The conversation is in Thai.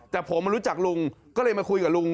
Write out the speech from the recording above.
แต่ผมรู้จักลุงก็เลยมาคุยกับลุง